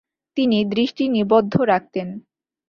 তিনি দৃষ্টি নিবদ্ধ রাখতেন।